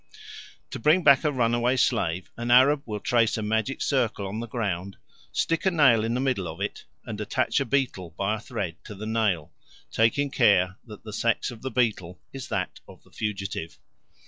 To bring back a runaway slave an Arab will trace a magic circle on the ground, stick a nail in the middle of it, and attach a beetle by a thread to the nail, taking care that the sex of the beetle is that of the fugitive.